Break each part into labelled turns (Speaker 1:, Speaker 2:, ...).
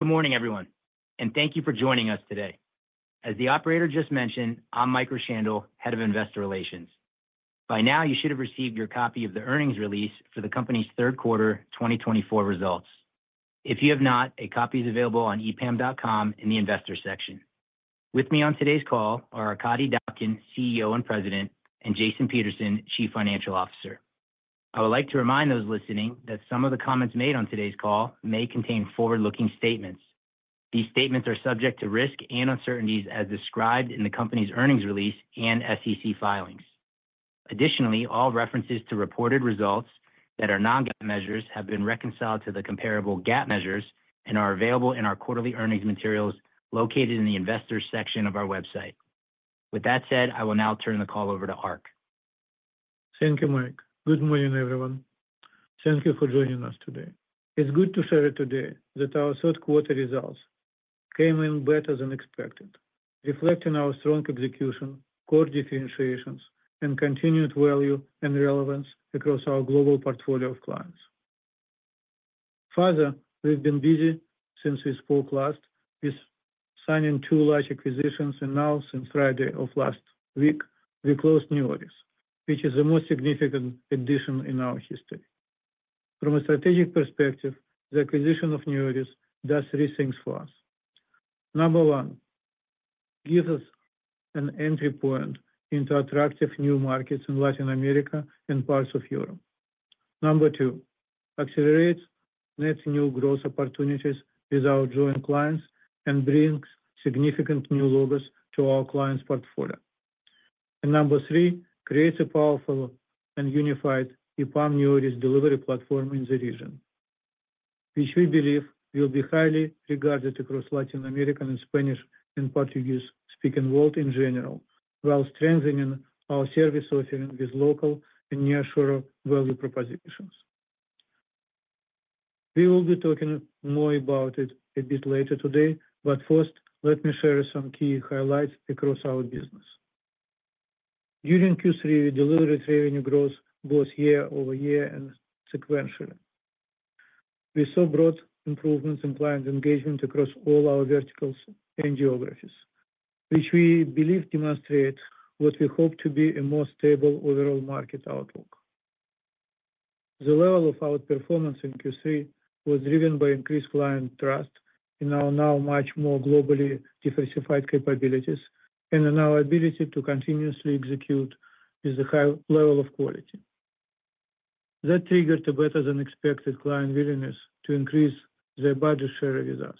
Speaker 1: Good morning, everyone, and thank you for joining us today. As the operator just mentioned, I'm Mike Rowshandel, Head of Investor Relations. By now, you should have received your copy of the earnings release for the company's third quarter 2024 results. If you have not, a copy is available on epam.com in the Investor section. With me on today's call are Arkadiy Dobkin, CEO and President, and Jason Peterson, Chief Financial Officer. I would like to remind those listening that some of the comments made on today's call may contain forward-looking statements. These statements are subject to risk and uncertainties as described in the company's earnings release and SEC filings. Additionally, all references to reported results that are non-GAAP measures have been reconciled to the comparable GAAP measures and are available in our quarterly earnings materials located in the Investor section of our website. With that said, I will now turn the call over to Ark.
Speaker 2: Thank you, Mike. Good morning, everyone. Thank you for joining us today. It's good to share today that our third quarter results came in better than expected, reflecting our strong execution, core differentiations, and continued value and relevance across our global portfolio of clients. Further, we've been busy since we spoke last, signing two large acquisitions, and now, since Friday of last week, we closed NEORIS, which is the most significant addition in our history. From a strategic perspective, the acquisition of NEORIS does three things for us. Number one, it gives us an entry point into attractive new markets in Latin America and parts of Europe. Number two, it accelerates net new growth opportunities with our joint clients and brings significant new logos to our clients' portfolio. And number three, it creates a powerful and unified EPAM NEORIS delivery platform in the region, which we believe will be highly regarded across the Latin American and Spanish and Portuguese-speaking world in general, while strengthening our service offering with local and nearshore value propositions. We will be talking more about it a bit later today, but first, let me share some key highlights across our business. During Q3, we delivered revenue growth both year over year and sequentially. We saw broad improvements in client engagement across all our verticals and geographies, which we believe demonstrate what we hope to be a more stable overall market outlook. The level of our performance in Q3 was driven by increased client trust in our now much more globally diversified capabilities and in our ability to continuously execute with a high level of quality. That triggered a better-than-expected client willingness to increase their budget share with us.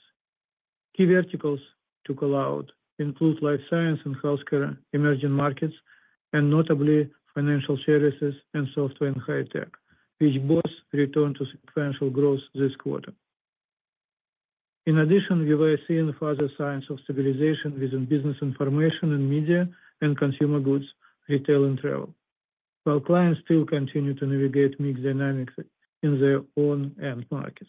Speaker 2: Key verticals to call out include life science and healthcare emerging markets, and notably financial services and software and high tech, which both returned to sequential growth this quarter. In addition, we were seeing further signs of stabilization within business information and media and consumer goods, retail, and travel, while clients still continue to navigate mixed dynamics in their own end markets.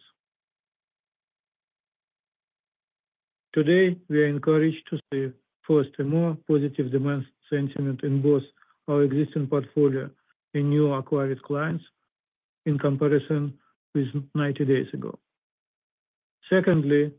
Speaker 2: Today, we are encouraged to see first a more positive demand sentiment in both our existing portfolio and new acquired clients in comparison with 90 days ago. Secondly,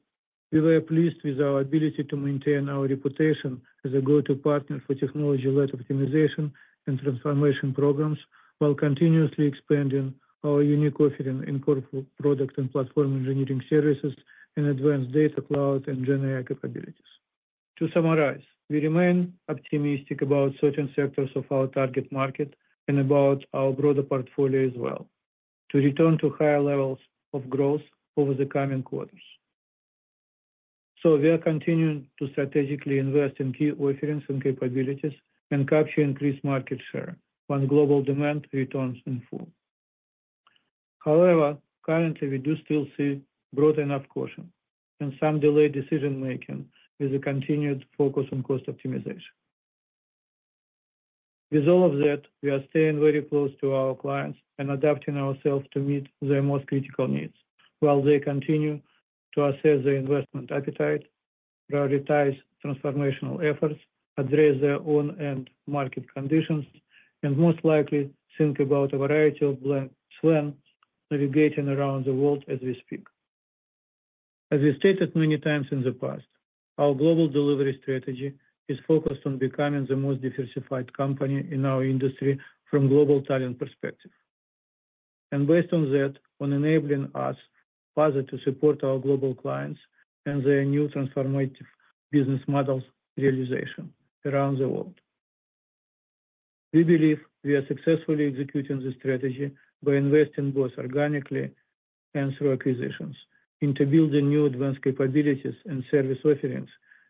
Speaker 2: we were pleased with our ability to maintain our reputation as a go-to partner for technology-led optimization and transformation programs while continuously expanding our unique offering in core product and platform engineering services and advanced data cloud and GenAI capabilities. To summarize, we remain optimistic about certain sectors of our target market and about our broader portfolio as well, to return to higher levels of growth over the coming quarters. So we are continuing to strategically invest in key offerings and capabilities and capture increased market share when global demand returns in full. However, currently, we do still see broad enough caution and some delayed decision-making with a continued focus on cost optimization. With all of that, we are staying very close to our clients and adapting ourselves to meet their most critical needs while they continue to assess their investment appetite, prioritize transformational efforts, address their own end market conditions, and most likely think about a variety of black swans navigating around the world as we speak. As we stated many times in the past, our global delivery strategy is focused on becoming the most diversified company in our industry from a global talent perspective. And based on that, on enabling us further to support our global clients and their new transformative business models realization around the world. We believe we are successfully executing this strategy by investing both organically and through acquisitions into building new advanced capabilities and service offerings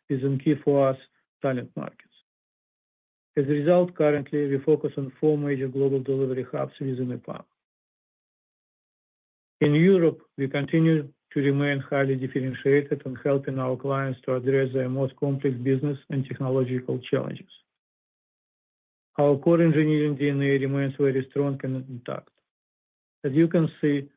Speaker 2: within key for us talent markets. As a result, currently, we focus on four major global delivery hubs within EPAM. In Europe, we continue to remain highly differentiated and helping our clients to address their most complex business and technological challenges. Our core engineering DNA remains very strong and intact. As you can see,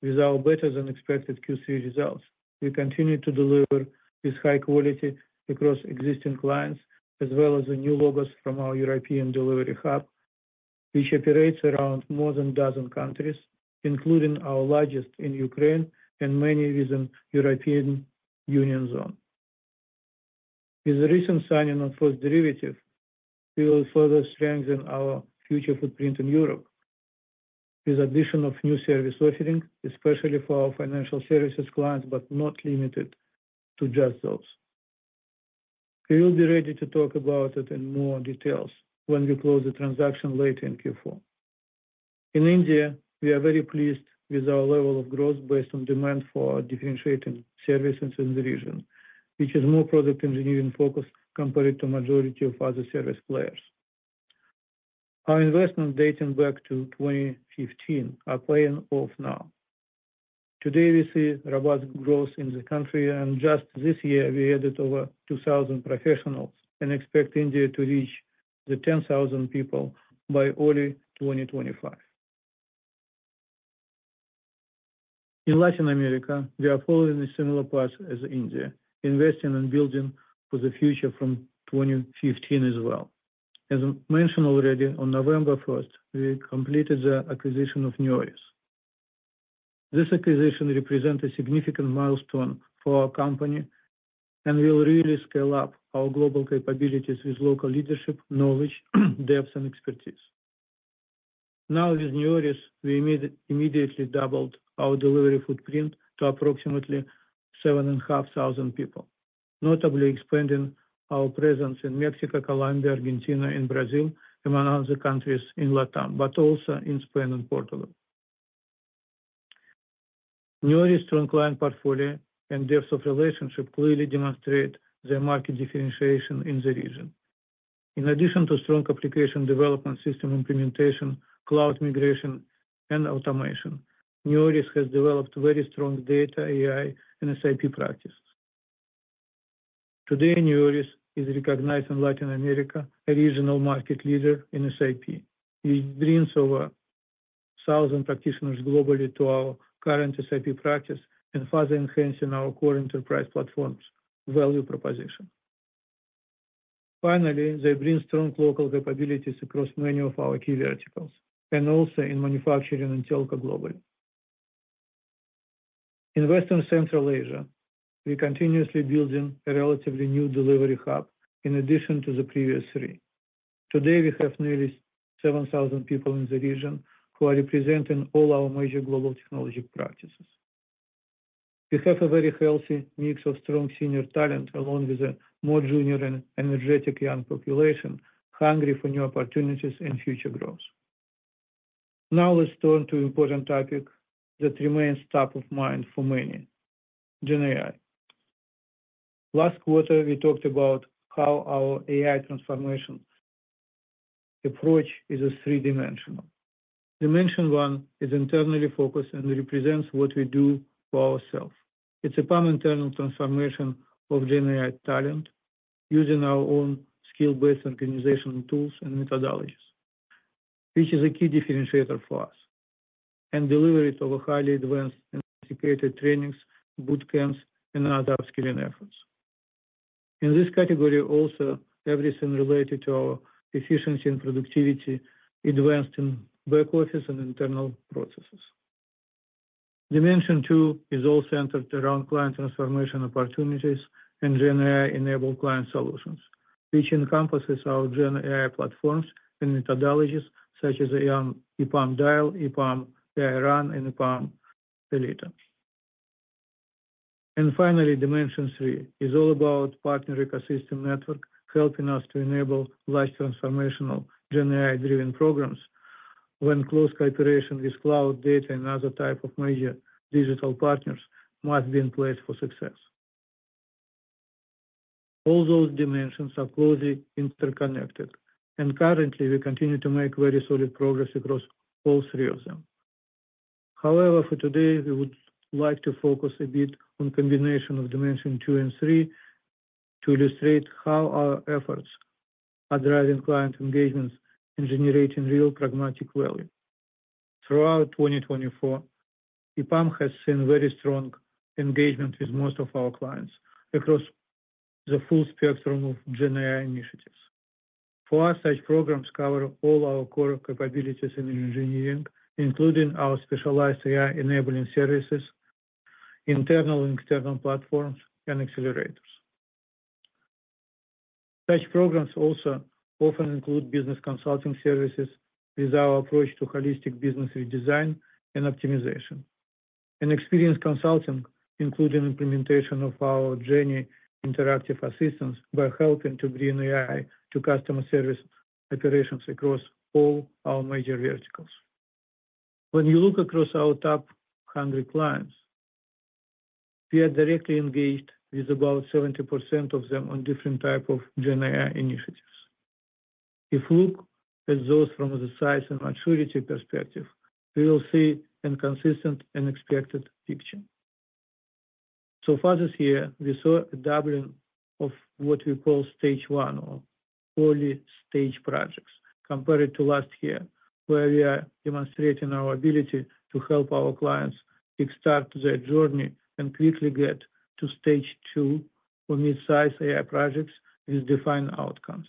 Speaker 2: with our better-than-expected Q3 results, we continue to deliver with high quality across existing clients, as well as the new logos from our European delivery hub, which operates around more than a dozen countries, including our largest in Ukraine and many within the European Union zone. With the recent signing of First Derivative, we will further strengthen our future footprint in Europe with the addition of new service offerings, especially for our financial services clients, but not limited to just those. We will be ready to talk about it in more details when we close the transaction later in Q4. In India, we are very pleased with our level of growth based on demand for differentiating services in the region, which is more product engineering focused compared to the majority of other service players. Our investments dating back to 2015 are paying off now. Today, we see robust growth in the country, and just this year, we added over 2,000 professionals and expect India to reach 10,000 people by early 2025. In Latin America, we are following a similar path as India, investing and building for the future from 2015 as well. As mentioned already, on November 1st, we completed the acquisition of NEORIS. This acquisition represents a significant milestone for our company and will really scale up our global capabilities with local leadership, knowledge, depth, and expertise. Now, with NEORIS, we immediately doubled our delivery footprint to approximately 7,500 people, notably expanding our presence in Mexico, Colombia, Argentina, and Brazil, among other countries in LATAM, but also in Spain and Portugal. NEORIS' strong client portfolio and depth of relationship clearly demonstrate their market differentiation in the region. In addition to strong application development system implementation, cloud migration, and automation, NEORIS has developed very strong data AI and SAP practices. Today, NEORIS is recognized in Latin America as a regional market leader in SAP, which brings over 1,000 practitioners globally to our current SAP practice, and further enhancing our core enterprise platform's value proposition. Finally, they bring strong local capabilities across many of our key verticals and also in manufacturing and telco globally. In Western Central Asia, we are continuously building a relatively new delivery hub in addition to the previous three. Today, we have nearly 7,000 people in the region who are representing all our major global technology practices. We have a very healthy mix of strong senior talent along with a more junior and energetic young population hungry for new opportunities and future growth. Now, let's turn to an important topic that remains top of mind for many: GenAI. Last quarter, we talked about how our AI transformation approach is three-dimensional. Dimension one is internally focused and represents what we do for ourselves. It's EPAM's internal transformation of GenAI talent using our own skill-based organization tools and methodologies, which is a key differentiator for us, and deliver it over highly advanced and integrated trainings, bootcamps, and other upskilling efforts. In this category, also, everything related to our efficiency and productivity advanced in back office and internal processes. Dimension two is all centered around client transformation opportunities and GenAI-enabled client solutions, which encompasses our GenAI platforms and methodologies such as EPAM DIAL, EPAM AI/RUN, and EPAM ELITEA. And finally, dimension three is all about the partner ecosystem network, helping us to enable large transformational GenAI-driven programs when close cooperation with cloud data and other types of major digital partners must be in place for success. All those dimensions are closely interconnected, and currently, we continue to make very solid progress across all three of them. However, for today, we would like to focus a bit on the combination of dimension two and three to illustrate how our efforts are driving client engagements and generating real pragmatic value. Throughout 2024, EPAM has seen very strong engagement with most of our clients across the full spectrum of GenAI initiatives. For us, such programs cover all our core capabilities in engineering, including our specialized AI-enabling services, internal and external platforms, and accelerators. Such programs also often include business consulting services with our approach to holistic business redesign and optimization, and experienced consulting, including implementation of our GenAI interactive assistants by helping to bring AI to customer service operations across all our major verticals. When you look across our top 100 clients, we are directly engaged with about 70% of them on different types of GenAI initiatives. If we look at those from the size and maturity perspective, we will see a consistent and expected picture. So far this year, we saw a doubling of what we call stage one or early stage projects compared to last year, where we are demonstrating our ability to help our clients kickstart their journey and quickly get to stage two or mid-size AI projects with defined outcomes.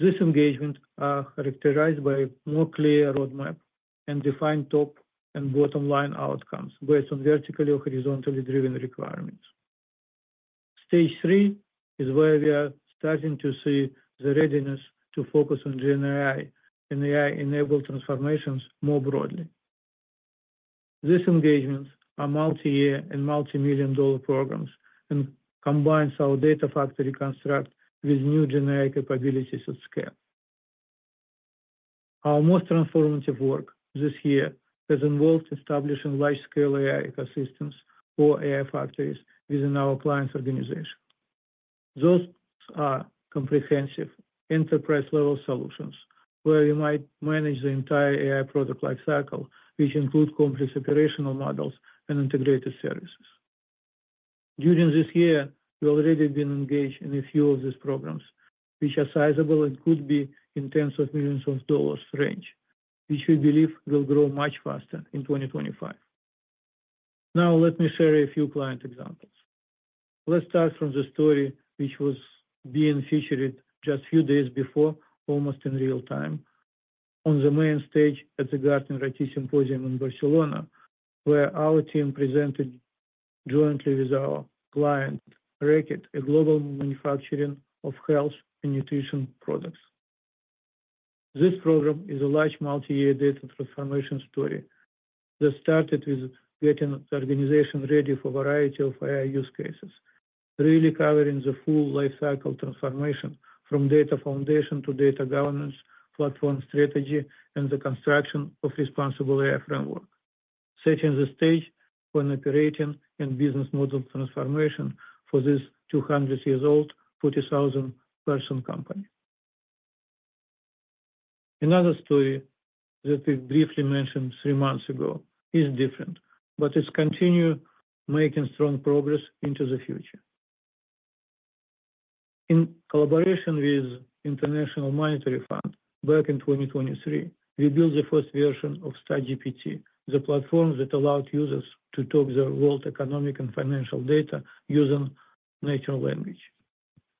Speaker 2: This engagement is characterized by a more clear roadmap and defined top and bottom line outcomes based on vertically or horizontally driven requirements. Stage three is where we are starting to see the readiness to focus on GenAI and AI-enabled transformations more broadly. These engagements are multi-year and multi-million-dollar programs and combine our data factory construct with new GenAI capabilities at scale. Our most transformative work this year has involved establishing large-scale AI ecosystems for AI factories within our client organization. Those are comprehensive enterprise-level solutions where we might manage the entire AI product lifecycle, which includes complex operational models and integrated services. During this year, we have already been engaged in a few of these programs, which are sizable and could be in the tens of millions of dollars range, which we believe will grow much faster in 2025. Now, let me share a few client examples. Let's start from the story which was being featured just a few days before, almost in real time, on the main stage at the Gartner IT Symposium in Barcelona, where our team presented jointly with our client, Reckitt, a global manufacturing of health and nutrition products. This program is a large multi-year data transformation story that started with getting the organization ready for a variety of AI use cases, really covering the full lifecycle transformation from data foundation to data governance, platform strategy, and the construction of a responsible AI framework, setting the stage for an operating and business model transformation for this 200-year-old, 40,000-person company. Another story that we briefly mentioned three months ago is different, but it's continuing to make strong progress into the future. In collaboration with the International Monetary Fund, back in 2023, we built the first version of StatGPT, the platform that allowed users to talk to their world economic and financial data using natural language.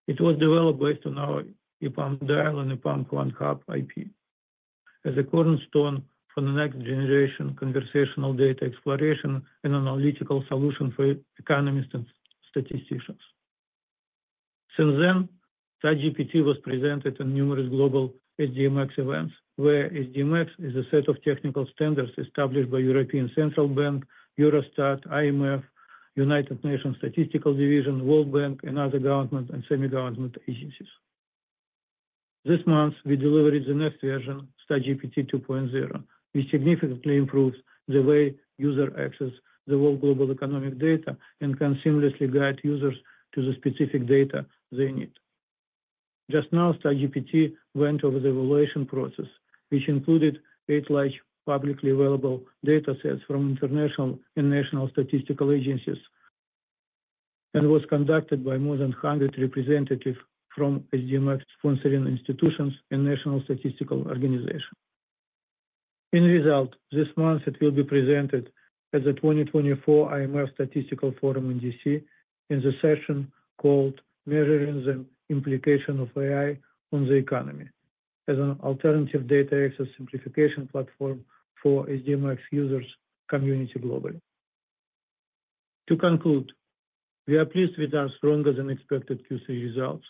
Speaker 2: It was developed based on our EPAM DIAL and EPAM OneHub IP as a cornerstone for the next generation conversational data exploration and analytical solution for economists and statisticians. Since then, StatGPT was presented in numerous global SDMX events, where SDMX is a set of technical standards established by the European Central Bank, Eurostat, IMF, United Nations Statistical Division, World Bank, and other government and semi-government agencies. This month, we delivered the next version, StatGPT 2.0, which significantly improves the way users access the whole global economic data and can seamlessly guide users to the specific data they need. Just now, StatGPT went over the evaluation process, which included eight large publicly available data sets from international and national statistical agencies and was conducted by more than 100 representatives from SDMX-sponsoring institutions and national statistical organizations. In result, this month, it will be presented at the 2024 IMF Statistical Forum in DC in the session called "Measuring the Implication of AI on the Economy" as an alternative data access simplification platform for SDMX users' community globally. To conclude, we are pleased with our stronger-than-expected Q3 results.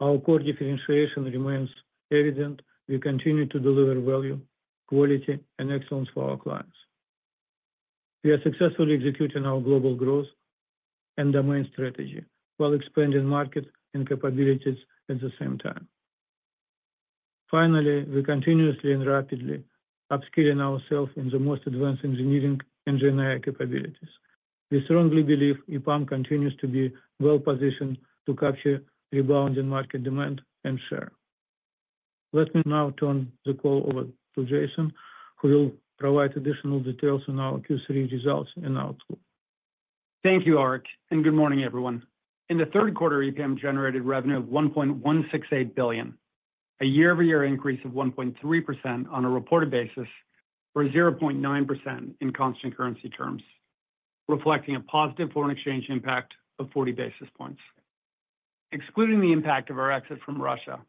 Speaker 2: Our core differentiation remains evident. We continue to deliver value, quality, and excellence for our clients. We are successfully executing our global growth and domain strategy while expanding market and capabilities at the same time. Finally, we are continuously and rapidly upskilling ourselves in the most advanced engineering and GenAI capabilities. We strongly believe EPAM continues to be well-positioned to capture rebounding market demand and share. Let me now turn the call over to Jason, who will provide additional details on our Q3 results and outlook.
Speaker 3: Thank you, Ark, and good morning, everyone. In the third quarter, EPAM generated revenue of $1.168 billion, a year-over-year increase of 1.3% on a reported basis or 0.9% in constant currency terms, reflecting a positive foreign exchange impact of 40 basis points. Excluding the impact of our exit from Russia,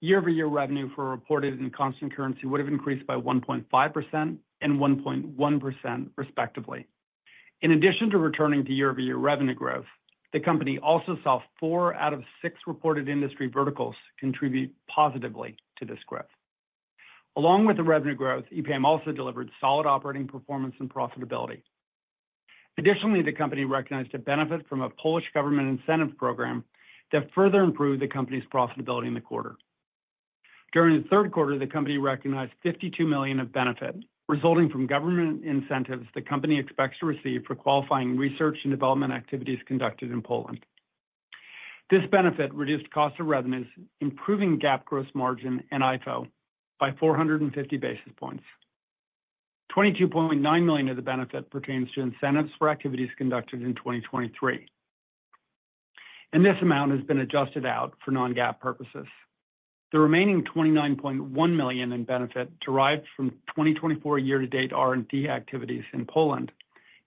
Speaker 3: year-over-year revenue for reported and constant currency would have increased by 1.5% and 1.1%, respectively. In addition to returning to year-over-year revenue growth, the company also saw four out of six reported industry verticals contribute positively to this growth. Along with the revenue growth, EPAM also delivered solid operating performance and profitability. Additionally, the company recognized a benefit from a Polish government incentive program that further improved the company's profitability in the quarter. During the third quarter, the company recognized $52 million of benefit resulting from government incentives the company expects to receive for qualifying research and development activities conducted in Poland. This benefit reduced costs of revenues, improving GAAP gross margin and IFO by 450 basis points. $22.9 million of the benefit pertains to incentives for activities conducted in 2023, and this amount has been adjusted out for non-GAAP purposes. The remaining $29.1 million in benefit derived from 2024 year-to-date R&D activities in Poland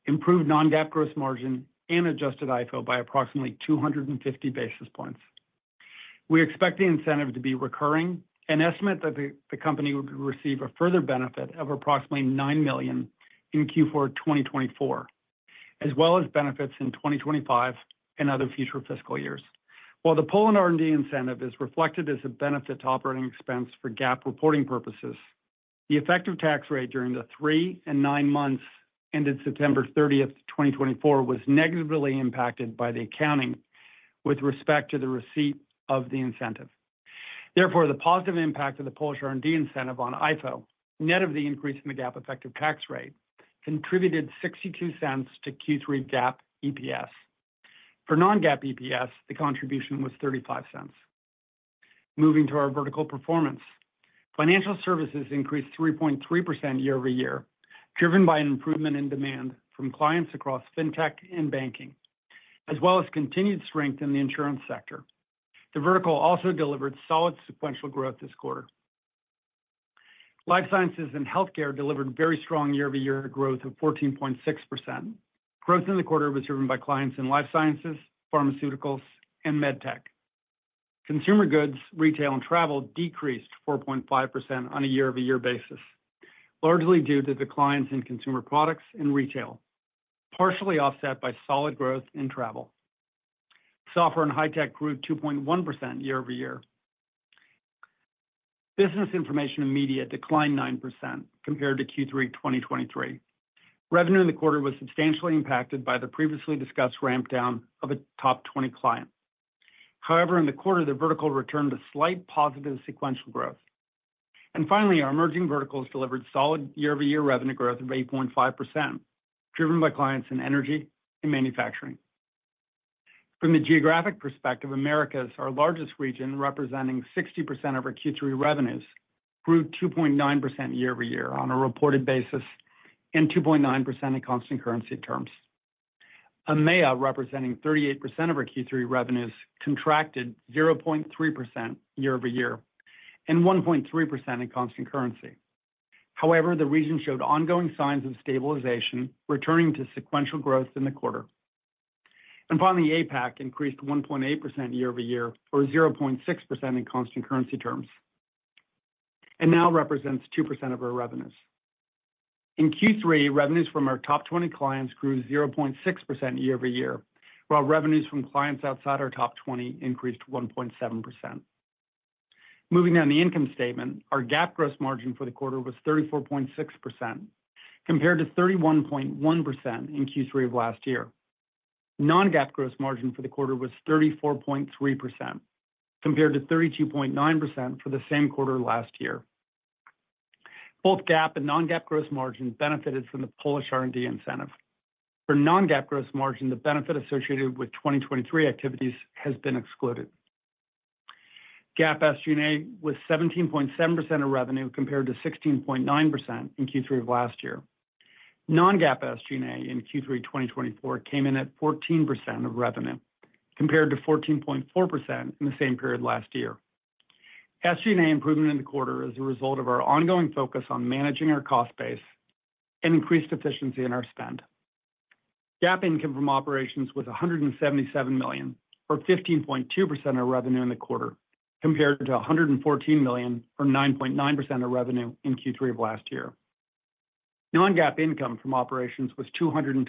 Speaker 3: improved non-GAAP gross margin and adjusted IFO by approximately 250 basis points. We expect the incentive to be recurring, an estimate that the company would receive a further benefit of approximately $9 million in Q4 2024, as well as benefits in 2025 and other future fiscal years. While the Poland R&D incentive is reflected as a benefit to operating expense for GAAP reporting purposes, the effective tax rate during the three and nine months ended September 30, 2024, was negatively impacted by the accounting with respect to the receipt of the incentive. Therefore, the positive impact of the Polish R&D incentive on IFO, net of the increase in the GAAP effective tax rate, contributed $0.62 to Q3 GAAP EPS. For non-GAAP EPS, the contribution was $0.35. Moving to our vertical performance, financial services increased 3.3% year-over-year, driven by an improvement in demand from clients across fintech and banking, as well as continued strength in the insurance sector. The vertical also delivered solid sequential growth this quarter. Life sciences and healthcare delivered very strong year-over-year growth of 14.6%. Growth in the quarter was driven by clients in life sciences, pharmaceuticals, and med tech. Consumer goods, retail, and travel decreased 4.5% on a year-over-year basis, largely due to declines in consumer products and retail, partially offset by solid growth in travel. Software and high-tech grew 2.1% year-over-year. Business information and media declined 9% compared to Q3 2023. Revenue in the quarter was substantially impacted by the previously discussed ramp-down of a top 20 client. However, in the quarter, the vertical returned a slight positive sequential growth. And finally, our emerging verticals delivered solid year-over-year revenue growth of 8.5%, driven by clients in energy and manufacturing. From the geographic perspective, Americas, our largest region, representing 60% of our Q3 revenues, grew 2.9% year-over-year on a reported basis and 2.9% in constant currency terms. EMEA, representing 38% of our Q3 revenues, contracted 0.3% year-over-year and 1.3% in constant currency. However, the region showed ongoing signs of stabilization, returning to sequential growth in the quarter. Finally, APAC increased 1.8% year-over-year or 0.6% in constant currency terms and now represents 2% of our revenues. In Q3, revenues from our top 20 clients grew 0.6% year-over-year, while revenues from clients outside our top 20 increased 1.7%. Moving down the income statement, our GAAP gross margin for the quarter was 34.6%, compared to 31.1% in Q3 of last year. Non-GAAP gross margin for the quarter was 34.3%, compared to 32.9% for the same quarter last year. Both GAAP and non-GAAP gross margin benefited from the Polish R&D incentive. For non-GAAP gross margin, the benefit associated with 2023 activities has been excluded. GAAP SG&A was 17.7% of revenue, compared to 16.9% in Q3 of last year. Non-GAAP SG&A in Q3 2024 came in at 14% of revenue, compared to 14.4% in the same period last year. SG&A improvement in the quarter is a result of our ongoing focus on managing our cost base and increased efficiency in our spend. GAAP income from operations was $177 million, or 15.2% of revenue in the quarter, compared to $114 million, or 9.9% of revenue in Q3 of last year. Non-GAAP income from operations was $223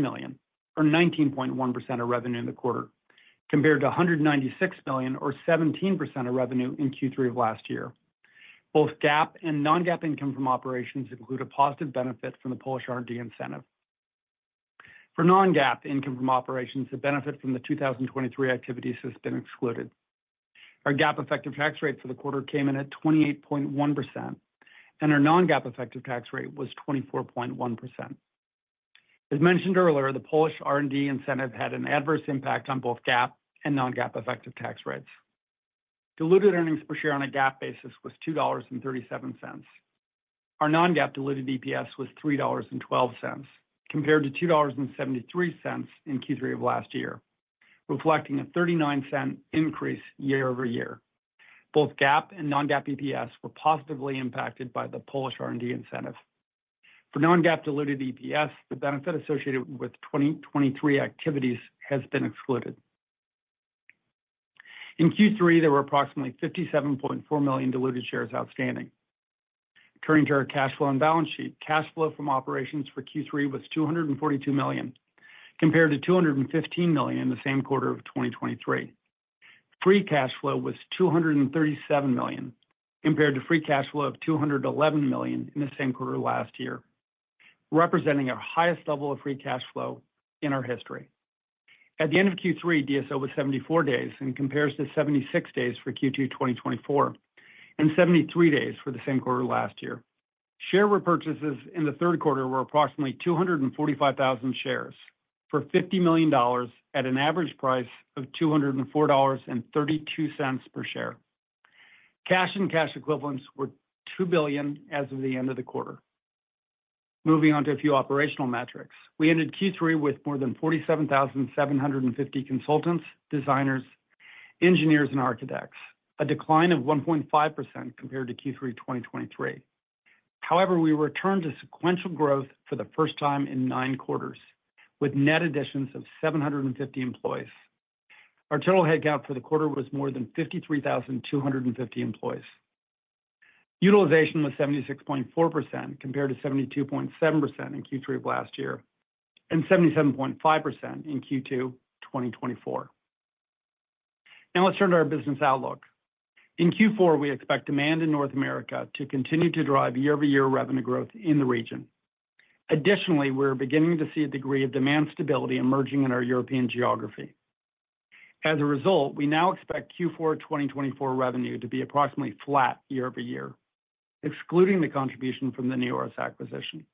Speaker 3: million, or 19.1% of revenue in the quarter, compared to $196 million, or 17% of revenue in Q3 of last year. Both GAAP and non-GAAP income from operations include a positive benefit from the Polish R&D incentive. For non-GAAP income from operations, the benefit from the 2023 activities has been excluded. Our GAAP effective tax rate for the quarter came in at 28.1%, and our non-GAAP effective tax rate was 24.1%. As mentioned earlier, the Polish R&D incentive had an adverse impact on both GAAP and non-GAAP effective tax rates. Diluted earnings per share on a GAAP basis was $2.37. Our non-GAAP diluted EPS was $3.12, compared to $2.73 in Q3 of last year, reflecting a $0.39 increase year-over-year. Both GAAP and non-GAAP EPS were positively impacted by the Polish R&D incentive. For non-GAAP diluted EPS, the benefit associated with 2023 activities has been excluded. In Q3, there were approximately 57.4 million diluted shares outstanding. Turning to our cash flow and balance sheet, cash flow from operations for Q3 was $242 million, compared to $215 million in the same quarter of 2023. Free cash flow was $237 million, compared to free cash flow of $211 million in the same quarter last year, representing our highest level of free cash flow in our history. At the end of Q3, DSO was 74 days in comparison to 76 days for Q2 2024 and 73 days for the same quarter last year. Share repurchases in the third quarter were approximately 245,000 shares for $50 million at an average price of $204.32 per share. Cash and cash equivalents were $2 billion as of the end of the quarter. Moving on to a few operational metrics, we ended Q3 with more than 47,750 consultants, designers, engineers, and architects, a decline of 1.5% compared to Q3 2023. However, we returned to sequential growth for the first time in nine quarters, with net additions of 750 employees. Our total headcount for the quarter was more than 53,250 employees. Utilization was 76.4%, compared to 72.7% in Q3 of last year and 77.5% in Q2 2024. Now let's turn to our business outlook. In Q4, we expect demand in North America to continue to drive year-over-year revenue growth in the region. Additionally, we're beginning to see a degree of demand stability emerging in our European geography. As a result, we now expect Q4 2024 revenue to be approximately flat year-over-year, excluding the contribution from the NEORIS acquisition.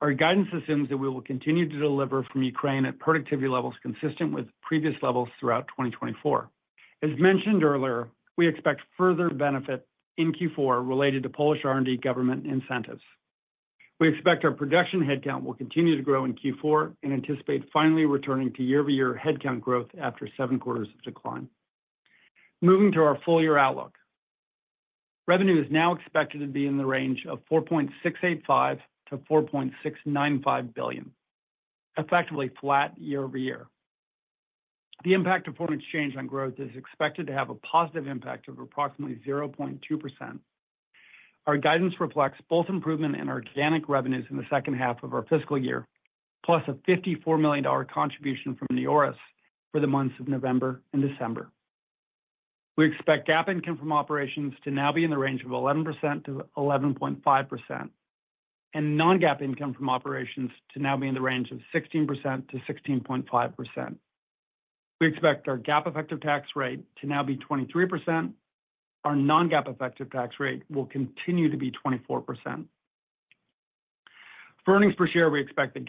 Speaker 3: Our guidance assumes that we will continue to deliver from Ukraine at productivity levels consistent with previous levels throughout 2024. As mentioned earlier, we expect further benefit in Q4 related to Polish R&D government incentives. We expect our production headcount will continue to grow in Q4 and anticipate finally returning to year-over-year headcount growth after seven quarters of decline. Moving to our full-year outlook, revenue is now expected to be in the range of $4.685 billion-$4.695 billion, effectively flat year-over-year. The impact of foreign exchange on growth is expected to have a positive impact of approximately 0.2%. Our guidance reflects both improvement in organic revenues in the second half of our fiscal year, plus a $54 million contribution from NEORIS for the months of November and December. We expect GAAP income from operations to now be in the range of 11%-11.5%, and non-GAAP income from operations to now be in the range of 16%-16.5%. We expect our GAAP effective tax rate to now be 23%. Our non-GAAP effective tax rate will continue to be 24%. For earnings per share, we expect the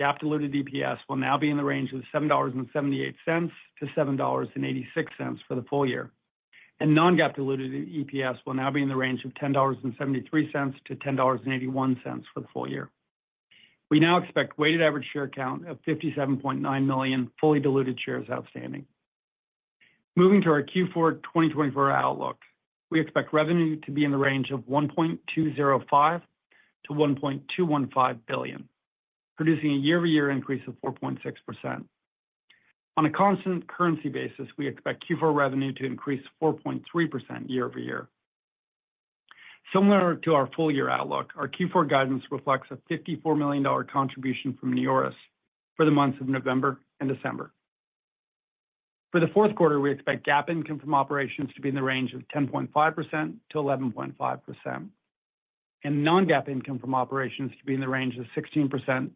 Speaker 3: GAAP diluted EPS will now be in the range of $7.78-$7.86 for the full year, and non-GAAP diluted EPS will now be in the range of $10.73-$10.81 for the full year. We now expect weighted average share count of 57.9 million fully diluted shares outstanding. Moving to our Q4 2024 outlook, we expect revenue to be in the range of $1.205-$1.215 billion, producing a year-over-year increase of 4.6%. On a constant currency basis, we expect Q4 revenue to increase 4.3% year-over-year. Similar to our full-year outlook, our Q4 guidance reflects a $54 million contribution from NEORIS for the months of November and December. For the fourth quarter, we expect GAAP income from operations to be in the range of 10.5%-11.5%, and non-GAAP income from operations to be in the range of 16%-17%.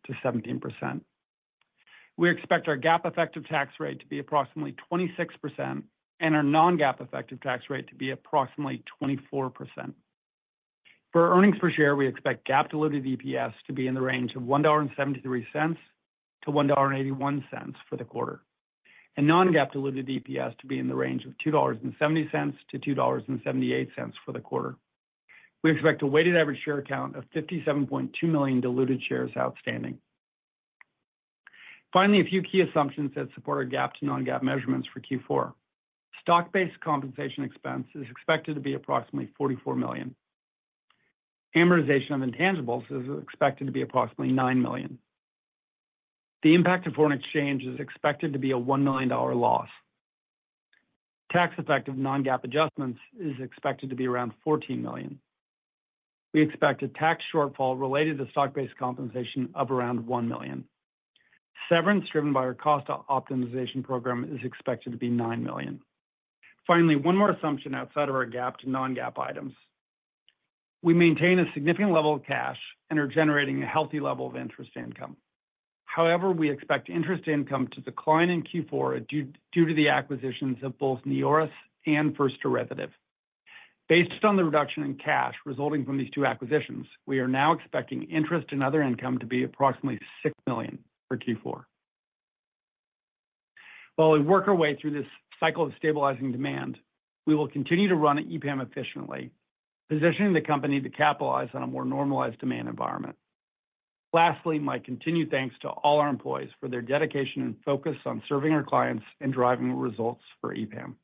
Speaker 3: We expect our GAAP effective tax rate to be approximately 26%, and our non-GAAP effective tax rate to be approximately 24%. For earnings per share, we expect GAAP diluted EPS to be in the range of $1.73-$1.81 for the quarter, and non-GAAP diluted EPS to be in the range of $2.70-$2.78 for the quarter. We expect a weighted average share count of 57.2 million diluted shares outstanding. Finally, a few key assumptions that support our GAAP to non-GAAP measurements for Q4. Stock-based compensation expense is expected to be approximately $44 million. Amortization of intangibles is expected to be approximately $9 million. The impact of foreign exchange is expected to be a $1 million loss. Tax-effective non-GAAP adjustments is expected to be around $14 million. We expect a tax shortfall related to stock-based compensation of around $1 million. Severance driven by our cost optimization program is expected to be $9 million. Finally, one more assumption outside of our GAAP to non-GAAP items. We maintain a significant level of cash and are generating a healthy level of interest income. However, we expect interest income to decline in Q4 due to the acquisitions of both NEORIS and First Derivative. Based on the reduction in cash resulting from these two acquisitions, we are now expecting interest and other income to be approximately $6 million for Q4. While we work our way through this cycle of stabilizing demand, we will continue to run EPAM efficiently, positioning the company to capitalize on a more normalized demand environment. Lastly, my continued thanks to all our employees for their dedication and focus on serving our clients and driving results for EPAM.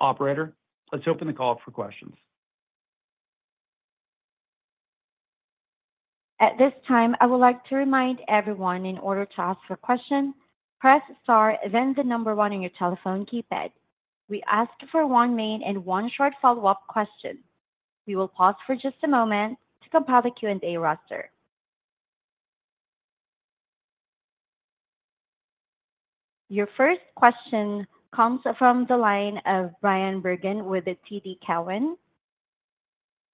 Speaker 3: Operator, let's open the call for questions.
Speaker 4: At this time, I would like to remind everyone in order to ask a question, press star, then the number one in your telephone keypad. We ask for one main and one short follow-up question. We will pause for just a moment to compile the Q&A roster. Your first question comes from the line of Bryan Bergin, with TD Cowen.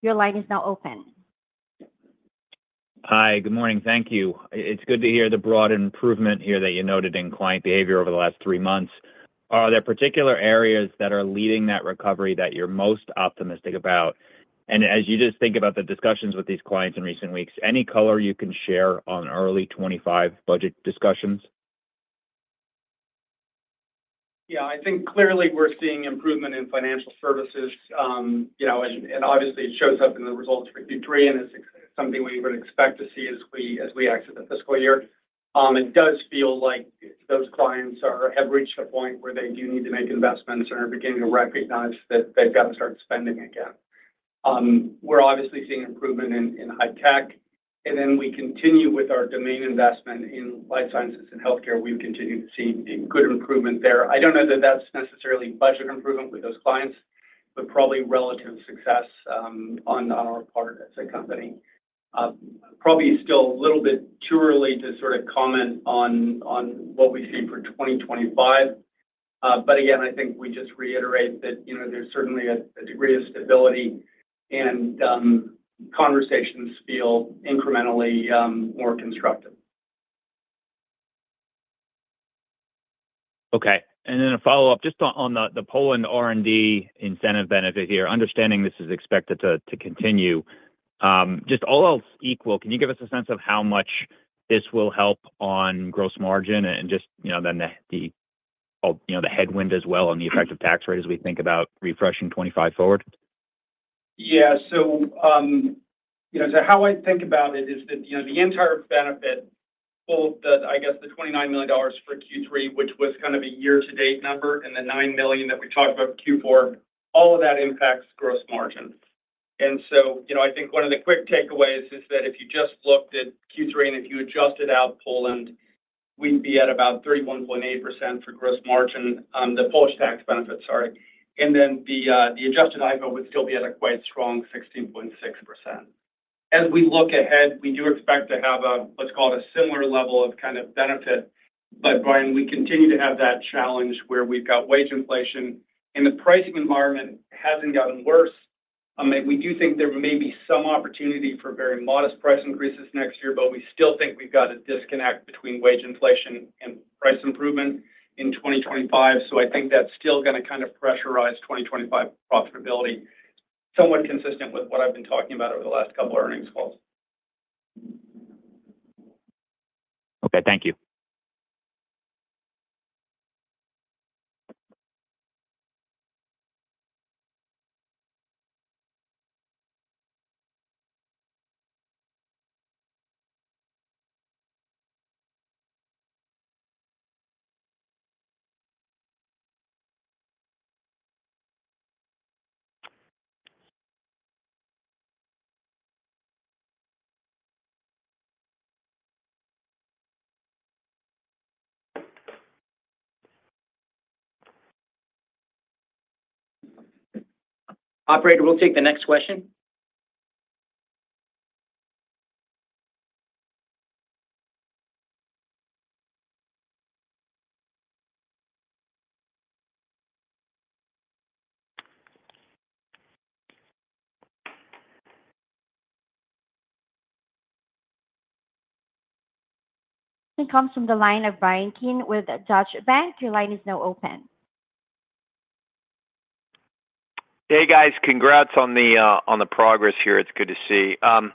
Speaker 4: Your line is now open.
Speaker 5: Hi, good morning. Thank you. It's good to hear the broad improvement here that you noted in client behavior over the last three months. Are there particular areas that are leading that recovery that you're most optimistic about? And as you just think about the discussions with these clients in recent weeks, any color you can share on early 2025 budget discussions?
Speaker 3: Yeah, I think clearly we're seeing improvement in financial services. And obviously, it shows up in the results for Q3, and it's something we would expect to see as we exit the fiscal year. It does feel like those clients have reached a point where they do need to make investments and are beginning to recognize that they've got to start spending again. We're obviously seeing improvement in high tech. And then we continue with our domain investment in life sciences and healthcare. We've continued to see good improvement there. I don't know that that's necessarily budget improvement with those clients, but probably relative success on our part as a company. Probably still a little bit too early to sort of comment on what we see for 2025. But again, I think we just reiterate that there's certainly a degree of stability, and conversations feel incrementally more constructive.
Speaker 5: Okay. And then a follow-up just on the Poland R&D incentive benefit here, understanding this is expected to continue. Just all else equal, can you give us a sense of how much this will help on gross margin and just then the headwind as well on the effective tax rate as we think about refreshing 2025 forward?
Speaker 3: Yeah. So how I think about it is that the entire benefit, both the, I guess, the $29 million for Q3, which was kind of a year-to-date number, and the $9 million that we talked about Q4, all of that impacts gross margin. I think one of the quick takeaways is that if you just looked at Q3 and if you adjusted out Poland, we'd be at about 31.8% for gross margin, the Polish tax benefit, sorry. Then the adjusted EBITDA would still be at a quite strong 16.6%. As we look ahead, we do expect to have a, let's call it a similar level of kind of benefit. Brian, we continue to have that challenge where we've got wage inflation, and the pricing environment hasn't gotten worse. We do think there may be some opportunity for very modest price increases next year, but we still think we've got a disconnect between wage inflation and price improvement in 2025. I think that's still going to kind of pressurize 2025 profitability, somewhat consistent with what I've been talking about over the last couple of earnings calls.
Speaker 5: Okay. Thank you.
Speaker 3: Operator, we'll take the next question.
Speaker 4: It comes from the line of Bryan Keane with Deutsche Bank. Your line is now open.
Speaker 6: Hey, guys. Congrats on the progress here. It's good to see. Can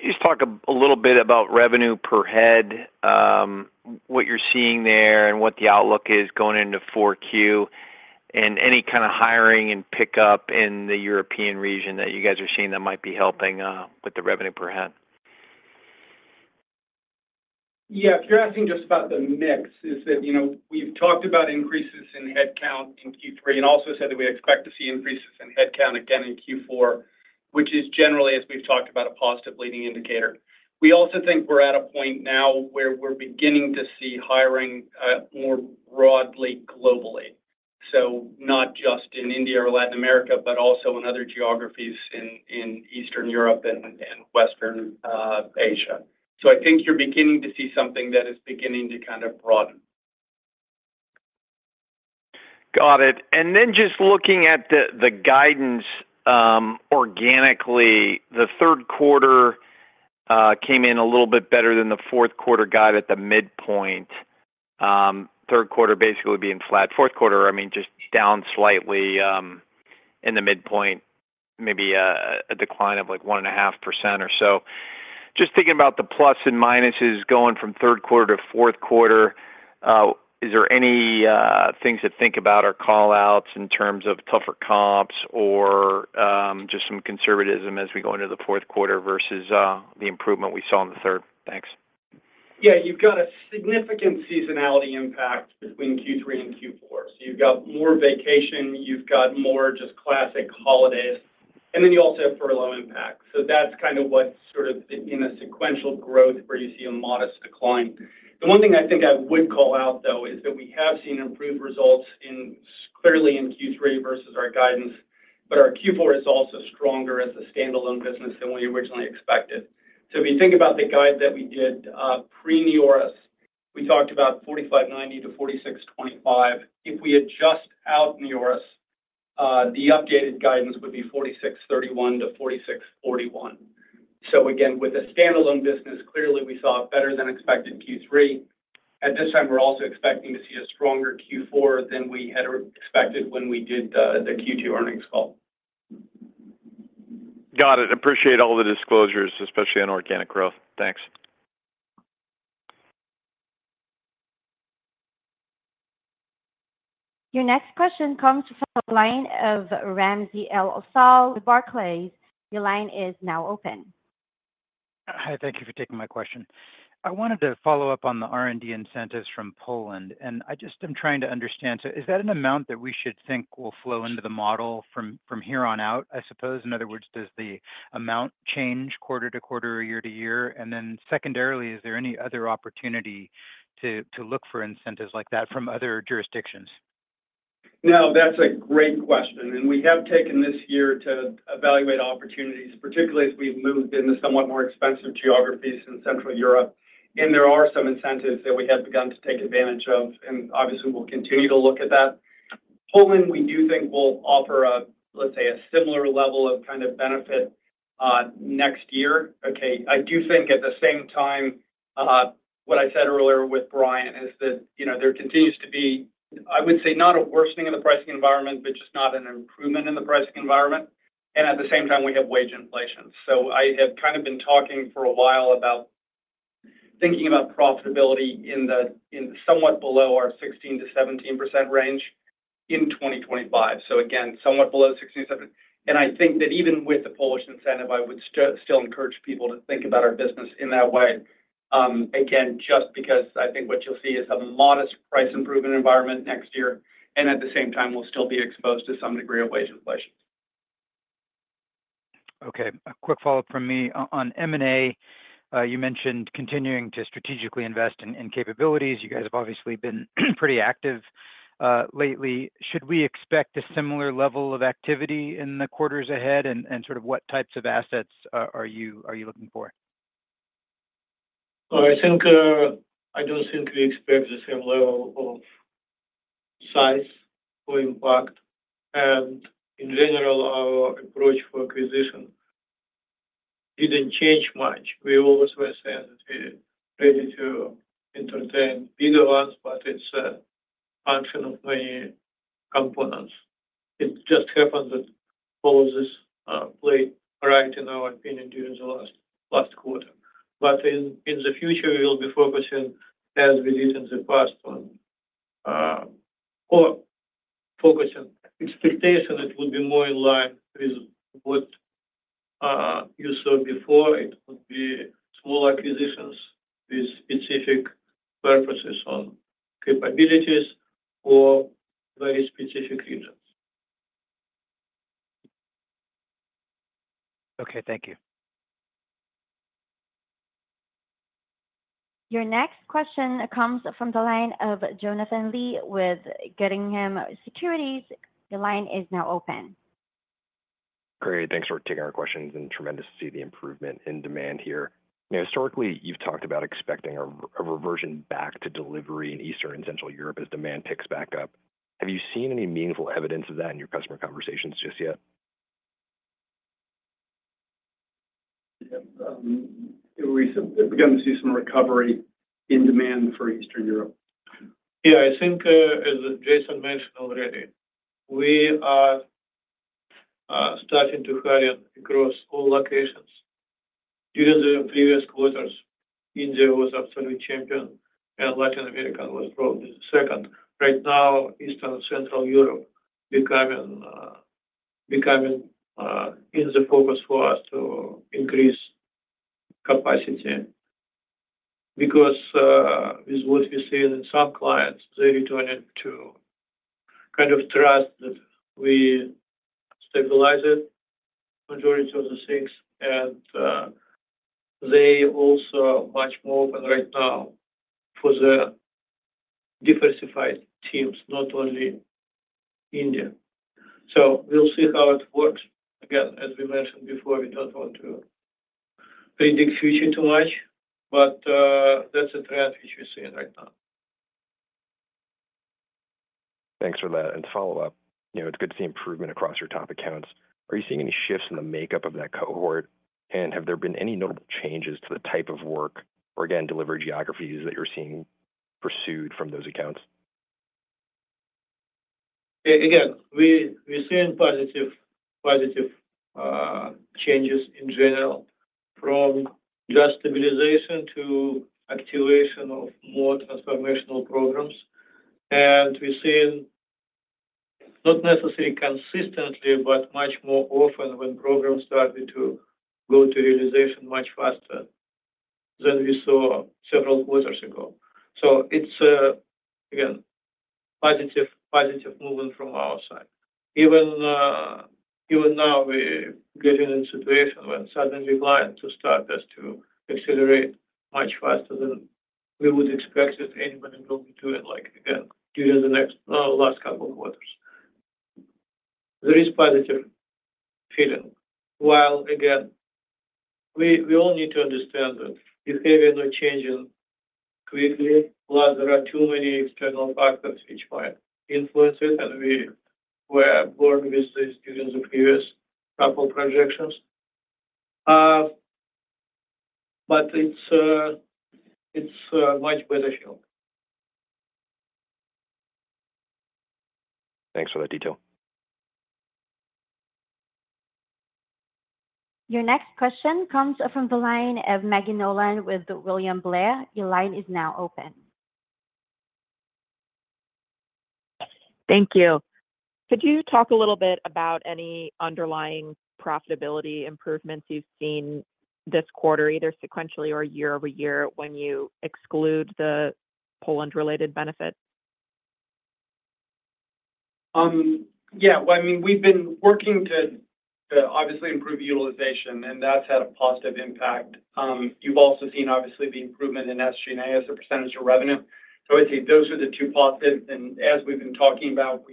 Speaker 6: you just talk a little bit about revenue per head, what you're seeing there, and what the outlook is going into 4Q, and any kind of hiring and pickup in the European region that you guys are seeing that might be helping with the revenue per head?
Speaker 3: Yeah. If you're asking just about the mix, it's that we've talked about increases in headcount in Q3 and also said that we expect to see increases in headcount again in Q4, which is generally, as we've talked about, a positive leading indicator. We also think we're at a point now where we're beginning to see hiring more broadly globally. So not just in India or Latin America, but also in other geographies in Eastern Europe and Western Asia. So I think you're beginning to see something that is beginning to kind of broaden.
Speaker 6: Got it. And then just looking at the guidance organically, the third quarter came in a little bit better than the fourth quarter guide at the midpoint. Third quarter basically being flat. Fourth quarter, I mean, just down slightly in the midpoint, maybe a decline of like 1.5% or so. Just thinking about the plus and minuses going from third quarter to fourth quarter, is there any things to think about or call outs in terms of tougher comps or just some conservatism as we go into the fourth quarter versus the improvement we saw in the third? Thanks.
Speaker 3: Yeah. You've got a significant seasonality impact between Q3 and Q4. So you've got more vacation. You've got more just classic holidays, and then you also have furlough impact. So that's kind of what's sort of in a sequential growth where you see a modest decline. The one thing I think I would call out, though, is that we have seen improved results clearly in Q3 versus our guidance, but our Q4 is also stronger as a standalone business than we originally expected. So if you think about the guide that we did pre-NEORIS, we talked about 45.90-46.25. If we adjust out NEORIS, the updated guidance would be 46.31-46.41. So again, with a standalone business, clearly we saw better than expected Q3. At this time, we're also expecting to see a stronger Q4 than we had expected when we did the Q2 earnings call. Got it. Appreciate all the disclosures, especially on organic growth.
Speaker 6: Thanks.
Speaker 4: Your next question comes from the line of Ramsey El-Assal with Barclays. Your line is now open.
Speaker 7: Hi. Thank you for taking my question. I wanted to follow up on the R&D incentives from Poland. And I just am trying to understand, so is that an amount that we should think will flow into the model from here on out, I suppose? In other words, does the amount change quarter to quarter or year to year? And then secondarily, is there any other opportunity to look for incentives like that from other jurisdictions?
Speaker 3: No, that's a great question. And we have taken this year to evaluate opportunities, particularly as we've moved into somewhat more expensive geographies in Central Europe. And there are some incentives that we have begun to take advantage of, and obviously we'll continue to look at that. Poland, we do think will offer, let's say, a similar level of kind of benefit next year. Okay. I do think at the same time, what I said earlier with Brian is that there continues to be, I would say, not a worsening of the pricing environment, but just not an improvement in the pricing environment. And at the same time, we have wage inflation. So I have kind of been talking for a while about thinking about profitability in the somewhat below our 16%-17% range in 2025. So again, somewhat below 16%-17%. And I think that even with the Polish incentive, I would still encourage people to think about our business in that way. Again, just because I think what you'll see is a modest price improvement environment next year. At the same time, we'll still be exposed to some degree of wage inflation.
Speaker 7: Okay. A quick follow-up from me. On M&A, you mentioned continuing to strategically invest in capabilities. You guys have obviously been pretty active lately. Should we expect a similar level of activity in the quarters ahead? Sort of what types of assets are you looking for?
Speaker 2: I don't think we expect the same level of size or impact. In general, our approach for acquisition didn't change much. We always were said that we're ready to entertain bigger ones, but it's a function of many components. It just happens that all of this played right in our opinion during the last quarter. In the future, we will be focusing, as we did in the past, or focusing expectation that would be more in line with what you saw before. It would be small acquisitions with specific purposes on capabilities or very specific regions.
Speaker 7: Okay. Thank you.
Speaker 4: Your next question comes from the line of Jonathan Lee with Guggenheim Securities. Your line is now open.
Speaker 8: Great. Thanks for taking our questions, and tremendous to see the improvement in demand here. Historically, you've talked about expecting a reversion back to delivery in Eastern and Central Europe as demand picks back up. Have you seen any meaningful evidence of that in your customer conversations just yet?
Speaker 3: We're going to see some recovery in demand for Eastern Europe.
Speaker 2: Yeah. I think, as Jason mentioned already, we are starting to see recovery across all locations. During the previous quarters, India was absolutely champion, and Latin America was probably second. Right now, Eastern and Central Europe are becoming in the focus for us to increase capacity because with what we're seeing in some clients, they're returning to kind of trust that we stabilize it, majority of the things. And they also are much more open right now for the diversified teams, not only India. So we'll see how it works. Again, as we mentioned before, we don't want to predict future too much, but that's a trend which we're seeing right now.
Speaker 8: Thanks for that. And to follow up, it's good to see improvement across your top accounts. Are you seeing any shifts in the makeup of that cohort? And have there been any notable changes to the type of work or, again, delivery geographies that you're seeing pursued from those accounts?
Speaker 2: Again, we're seeing positive changes in general from just stabilization to activation of more transformational programs. And we're seeing not necessarily consistently, but much more often when programs started to go to realization much faster than we saw several quarters ago. So it's, again, positive movement from our side. Even now, we're getting in a situation when suddenly clients start to accelerate much faster than we would expect anyone to be doing, again, during the last couple of quarters. There is positive feeling. While, again, we all need to understand that behavior is not changing quickly, but there are too many external factors which might influence it. And we were born with this during the previous couple of projections. But it's a much better feel.
Speaker 8: Thanks for that detail.
Speaker 4: Your next question comes from the line of Maggie Nolan with William Blair. Your line is now open.
Speaker 9: Thank you. Could you talk a little bit about any underlying profitability improvements you've seen this quarter, either sequentially or year over year when you exclude the Poland-related benefit?
Speaker 3: Yeah. Well, I mean, we've been working to obviously improve utilization, and that's had a positive impact. You've also seen, obviously, the improvement in SG&A as a percentage of revenue. So I would say those are the two positives. And as we've been talking about,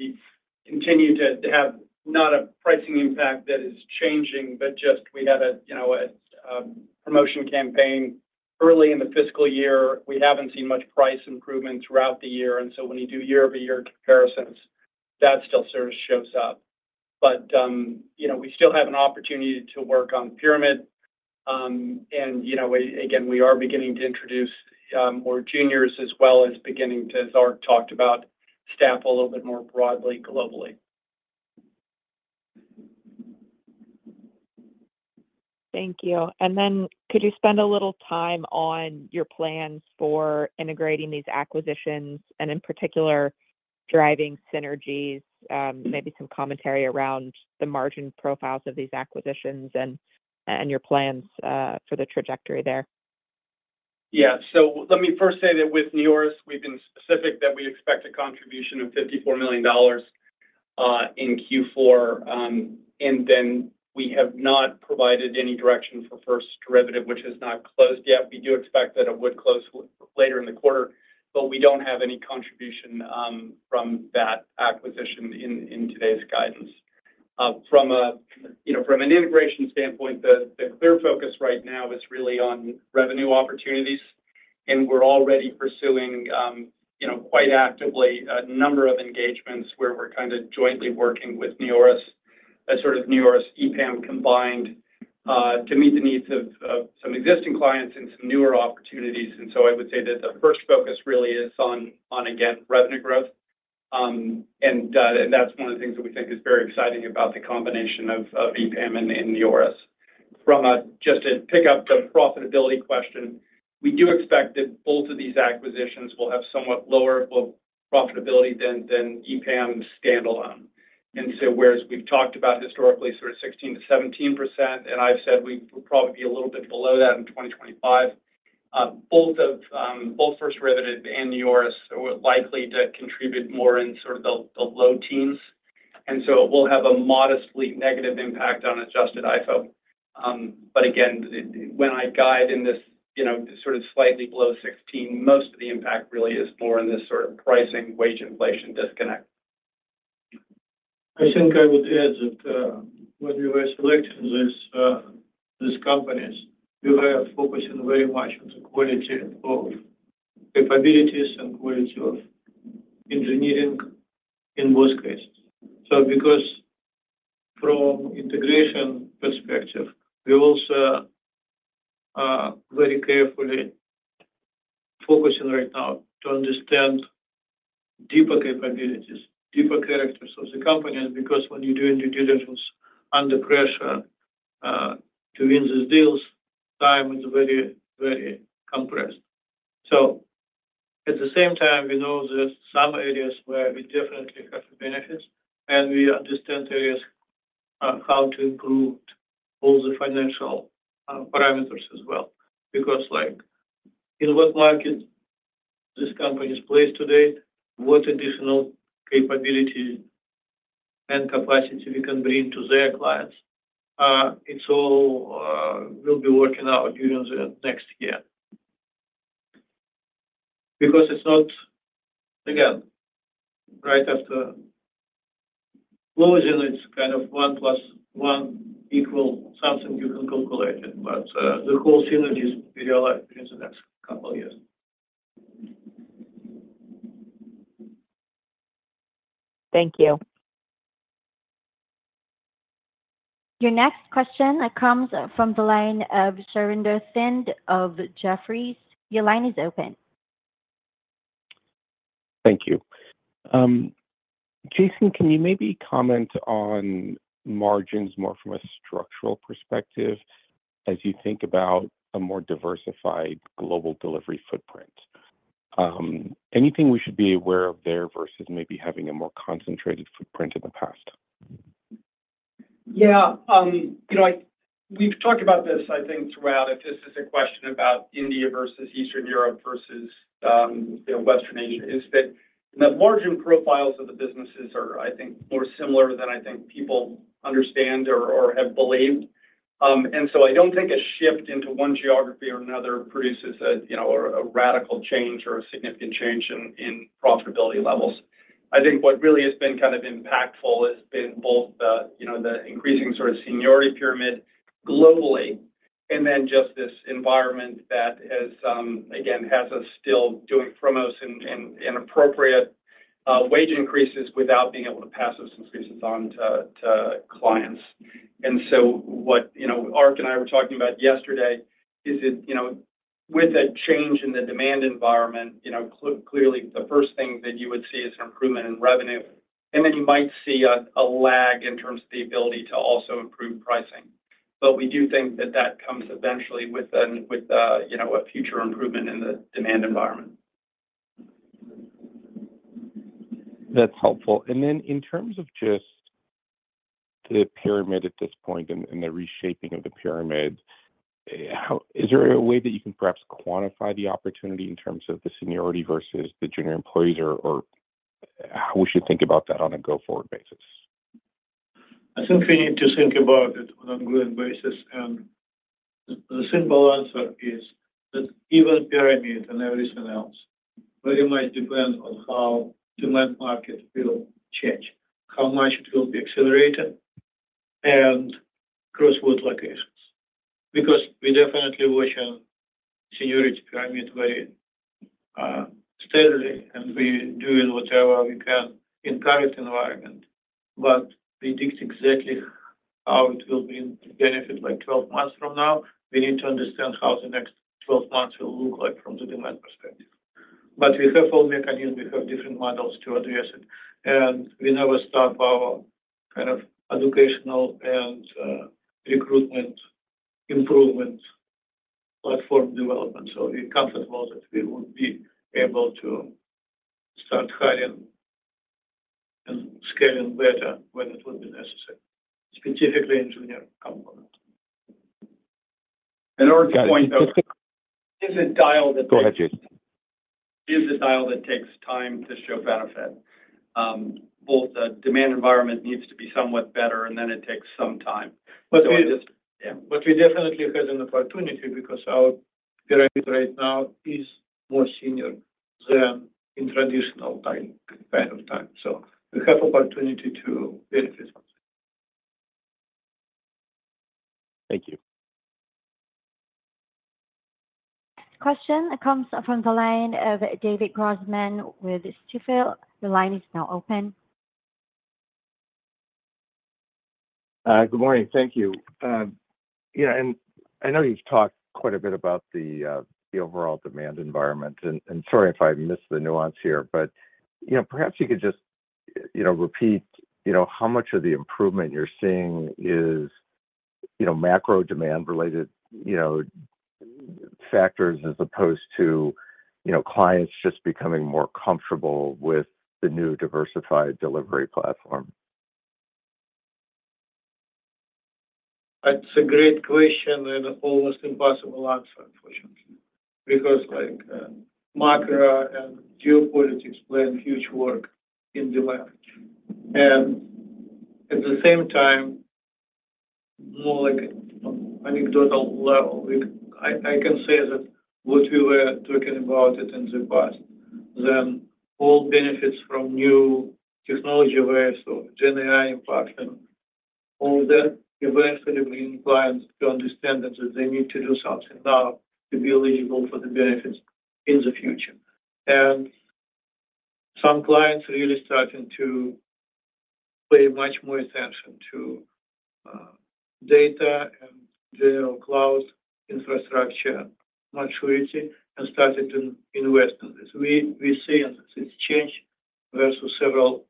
Speaker 3: we continue to have not a pricing impact that is changing, but just we had a promotion campaign early in the fiscal year. We haven't seen much price improvement throughout the year. And so when you do year-over-year comparisons, that still sort of shows up. But we still have an opportunity to work on pyramid. And again, we are beginning to introduce more juniors as well as beginning to talk about staff a little bit more broadly globally.
Speaker 9: Thank you. And then could you spend a little time on your plans for integrating these acquisitions and, in particular, driving synergies, maybe some commentary around the margin profiles of these acquisitions and your plans for the trajectory there?
Speaker 3: Yeah. So let me first say that with NEORIS, we've been specific that we expect a contribution of $54 million in Q4. And then we have not provided any direction for First Derivative, which has not closed yet. We do expect that it would close later in the quarter, but we don't have any contribution from that acquisition in today's guidance. From an integration standpoint, the clear focus right now is really on revenue opportunities. And we're already pursuing quite actively a number of engagements where we're kind of jointly working with NEORIS, a sort of NEORIS EPAM combined, to meet the needs of some existing clients and some newer opportunities. And so I would say that the first focus really is on, again, revenue growth. And that's one of the things that we think is very exciting about the combination of EPAM and NEORIS. Just to pick up the profitability question, we do expect that both of these acquisitions will have somewhat lower profitability than EPAM standalone. And so whereas we've talked about historically sort of 16%-17%, and I've said we will probably be a little bit below that in 2025, both First Derivative and NEORIS are likely to contribute more in sort of the low teens. And so it will have a modestly negative impact on adjusted IFO. But again, when I guide in this sort of slightly below 16%, most of the impact really is more in this sort of pricing-wage inflation disconnect.
Speaker 2: I think I would add that when we were selecting these companies, we were focusing very much on the quality of capabilities and quality of engineering in most cases. So because from integration perspective, we're also very carefully focusing right now to understand deeper capabilities, deeper characters of the companies. Because when you're doing due diligence under pressure to win these deals, time is very, very compressed. So at the same time, we know there's some areas where we definitely have benefits, and we understand how to improve all the financial parameters as well. Because in what market these companies play today, what additional capability and capacity we can bring to their clients, it all will be working out during the next year. Because it's not, again, right after closing, it's kind of one plus one equal something you can calculate. But the whole synergy is going to be realized during the next couple of years.
Speaker 9: Thank you.
Speaker 4: Your next question comes from the line of Surinder Thind of Jefferies. Your line is open.
Speaker 10: Thank you. Jason, can you maybe comment on margins more from a structural perspective as you think about a more diversified global delivery footprint? Anything we should be aware of there versus maybe having a more concentrated footprint in the past?
Speaker 3: Yeah. We've talked about this, I think, throughout. If this is a question about India versus Eastern Europe versus Western Asia, is that the margin profiles of the businesses are, I think, more similar than I think people understand or have believed. And so I don't think a shift into one geography or another produces a radical change or a significant change in profitability levels. I think what really has been kind of impactful has been both the increasing sort of seniority pyramid globally and then just this environment that, again, has us still doing promos and appropriate wage increases without being able to pass those increases on to clients, and so what Ark and I were talking about yesterday is that with a change in the demand environment, clearly, the first thing that you would see is an improvement in revenue, and then you might see a lag in terms of the ability to also improve pricing, but we do think that that comes eventually with a future improvement in the demand environment.
Speaker 10: That's helpful. Then in terms of just the pyramid at this point and the reshaping of the pyramid, is there a way that you can perhaps quantify the opportunity in terms of the seniority versus the junior employees or how we should think about that on a go-forward basis?
Speaker 2: I think we need to think about it on a growing basis. The simple answer is that the pyramid and everything else very much depends on how the demand in the market will change, how much it will be accelerated, and cross-border locations. Because we definitely watch the seniority pyramid very steadily, and we're doing whatever we can in the current environment. To predict exactly how it will benefit 12 months from now, we need to understand how the next 12 months will look like from the demand perspective. We have all mechanisms. We have different models to address it. And we never stop our kind of educational and recruitment improvement platform development. So we're comfortable that we would be able to start hiring and scaling better when it would be necessary, specifically in junior component.
Speaker 3: And our AI DIAL that takes time to show benefit. Both the demand environment needs to be somewhat better, and then it takes some time.
Speaker 2: But we definitely have an opportunity because our pyramid right now is more senior than in traditional kind of time. So we have opportunity to benefit from it.
Speaker 10: Thank you.
Speaker 4: Question comes from the line of David Grossman with Stifel. The line is now open.
Speaker 11: Good morning. Thank you. And I know you've talked quite a bit about the overall demand environment. Sorry if I missed the nuance here, but perhaps you could just repeat how much of the improvement you're seeing is macro demand-related factors as opposed to clients just becoming more comfortable with the new diversified delivery platform?
Speaker 2: It's a great question and almost impossible answer, unfortunately. Because macro and geopolitics play a huge role in demand. And at the same time, more like an anecdotal level, I can say that what we were talking about in the past, then all benefits from new technology waves or GenAI impact and all that eventually bring clients to understand that they need to do something now to be eligible for the benefits in the future. And some clients really starting to pay much more attention to data and their cloud infrastructure maturity and started to invest in this. We're seeing this change versus several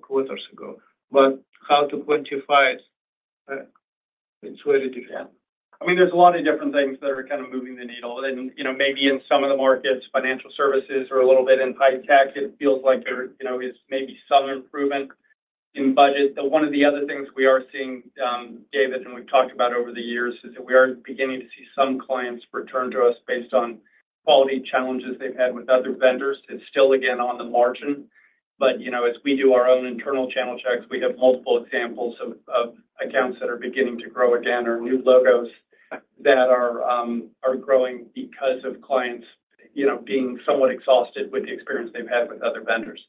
Speaker 2: quarters ago. But how to quantify it? It's very different.
Speaker 3: I mean, there's a lot of different things that are kind of moving the needle. And maybe in some of the markets, financial services are a little bit in high tech. It feels like there is maybe some improvement in budget. One of the other things we are seeing, David, and we've talked about over the years, is that we are beginning to see some clients return to us based on quality challenges they've had with other vendors. It's still, again, on the margin. But as we do our own internal channel checks, we have multiple examples of accounts that are beginning to grow again or new logos that are growing because of clients being somewhat exhausted with the experience they've had with other vendors.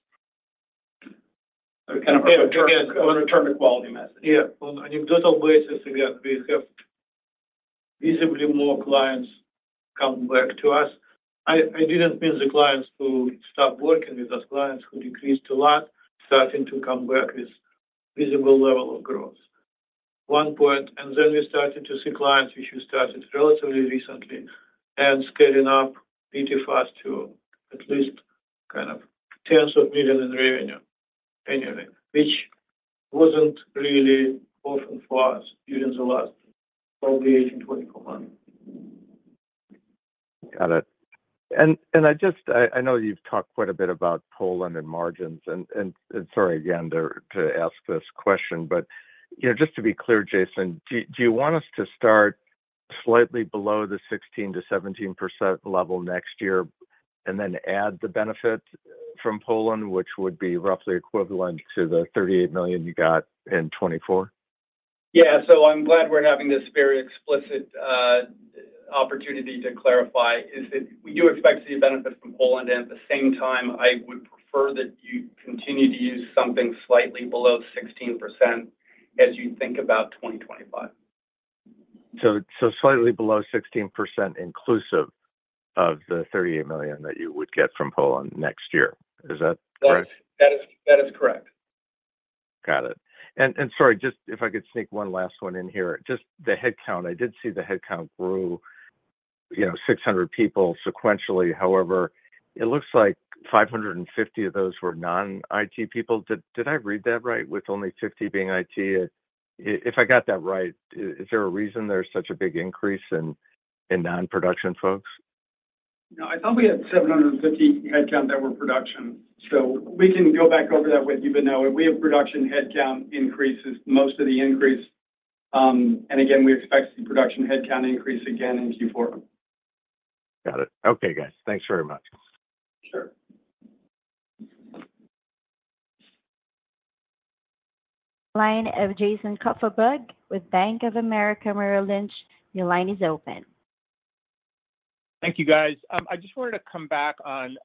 Speaker 3: So kind of a return to quality message.
Speaker 2: Yeah. On an anecdotal basis, again, we have visibly more clients come back to us. I didn't mean the clients who stopped working with us. Clients who decreased a lot starting to come back with visible level of growth. One point. And then we started to see clients which we started relatively recently and scaling up pretty fast to at least kind of tens of millions in revenue annually, which wasn't really often for us during the last probably 18-24 months.
Speaker 11: Got it. And I know you've talked quite a bit about Poland and margins. And sorry again to ask this question, but just to be clear, Jason, do you want us to start slightly below the 16%-17% level next year and then add the benefit from Poland, which would be roughly equivalent to the $38 million you got in 2024?
Speaker 3: Yeah. I'm glad we're having this very explicit opportunity to clarify is that we do expect to see benefits from Poland. And at the same time, I would prefer that you continue to use something slightly below 16% as you think about 2025.
Speaker 11: So slightly below 16% inclusive of the $38 million that you would get from Poland next year. Is that correct?
Speaker 3: That is correct.
Speaker 11: Got it. And sorry, just if I could sneak one last one in here. Just the headcount, I did see the headcount grew 600 people sequentially. However, it looks like 550 of those were non-IT people. Did I read that right with only 50 being IT? If I got that right, is there a reason there's such a big increase in non-production folks?
Speaker 3: No. I thought we had 750 headcount that were production. So we can go back over that with you, but no. We have production headcount increases, most of the increase. And again, we expect the production headcount increase again in Q4.
Speaker 11: Got it. Okay, guys. Thanks very much.
Speaker 2: Sure.
Speaker 4: Line of Jason Kupferberg with Bank of America Merrill Lynch. Your line is open.
Speaker 12: Thank you, guys. I just wanted to come back on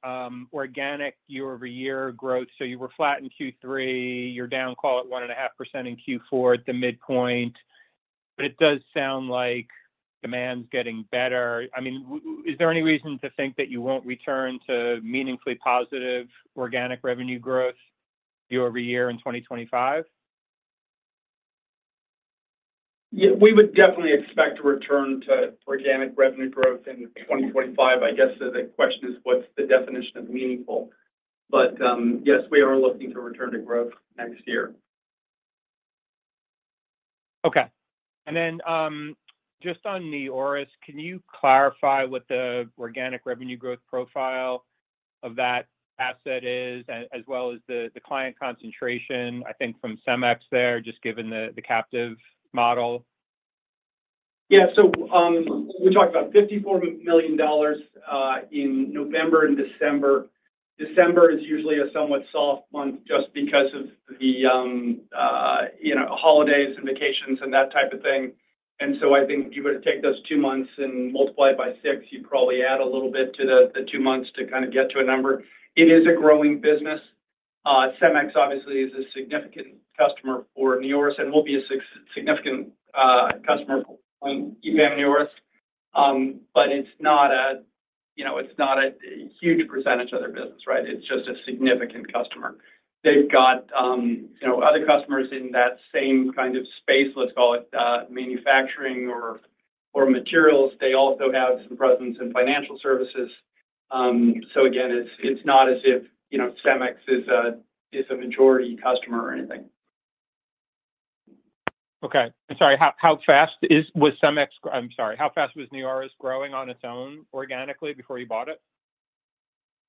Speaker 12: organic year-over-year growth. So you were flat in Q3. You're down, call it, 1.5% in Q4 at the midpoint. But it does sound like demand's getting better. I mean, is there any reason to think that you won't return to meaningfully positive organic revenue growth year-over-year in 2025?
Speaker 3: Yeah. We would definitely expect to return to organic revenue growth in 2025. I guess the question is, what's the definition of meaningful? But yes, we are looking to return to growth next year.
Speaker 12: Okay. Then just on NEORIS, can you clarify what the organic revenue growth profile of that asset is, as well as the client concentration, I think, from CEMEX there, just given the captive model?
Speaker 3: Yeah. We talked about $54 million in November and December. December is usually a somewhat soft month just because of the holidays and vacations and that type of thing. I think if you were to take those two months and multiply it by six, you'd probably add a little bit to the two months to kind of get to a number. It is a growing business. CEMEX, obviously, is a significant customer for NEORIS and will be a significant customer for EPAM NEORIS. But it's not a huge percentage of their business, right? It's just a significant customer. They've got other customers in that same kind of space, let's call it manufacturing or materials. They also have some presence in financial services. So again, it's not as if CEMEX is a majority customer or anything.
Speaker 12: Okay. Sorry. How fast was CEMEX? I'm sorry. How fast was NEORIS growing on its own organically before you bought it?